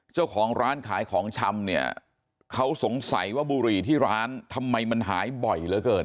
เจ้าของร้านขายของชำเนี่ยเขาสงสัยว่าบุหรี่ที่ร้านทำไมมันหายบ่อยเหลือเกิน